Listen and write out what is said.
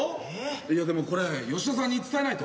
いやでもこれ吉田さんに伝えないと。